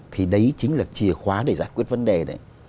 thì đấy chính là chìa khóa để giải quyết vấn đề đấy